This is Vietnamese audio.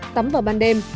tắm vào ban đêm